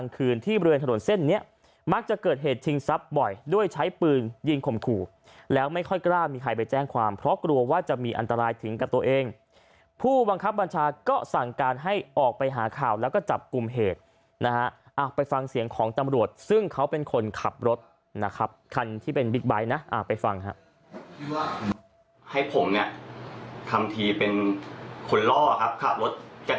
ใครไปแจ้งความเพราะกลัวว่าจะมีอันตรายถึงกับตัวเองผู้วังคับบัญชาก็สั่งการให้ออกไปหาข่าวแล้วก็จับกุมเหตุนะฮะไปฟังเสียงของตำรวจซึ่งเขาเป็นคนขับรถนะครับคันที่เป็นบิ๊กไบท์นะไปฟังครับ